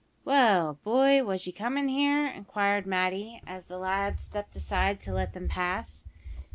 "Well, boy, was ye comin' here?" inquired Matty, as the lad stepped aside to let them pass.